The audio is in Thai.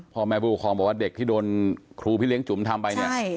พ่อแม่ผู้ปกครองบอกว่าเด็กที่โดนครูพี่เลี้ยงจุ๋มทำไปเนี่ย